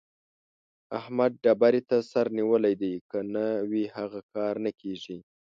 احمد ډبرې ته سر نيولی دی؛ که نه وي هغه کار نه کېږي.